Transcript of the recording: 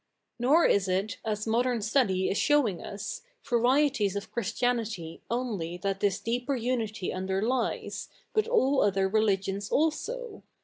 Nor is it, as modern study is showing uSf varieties of Christianity ofily that this deeper unity under^ lies, but all other religions also.